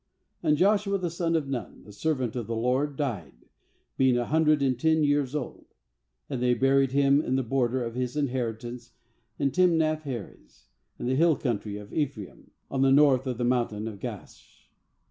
8And Joshua the son of Nun, the servant of the LORD, died, being a hundred and ten years old. 9And they buried him in the bor der of his inheritance in Timnath heres, in the hill country of Ephraim, on the north of the mountain of Gaash.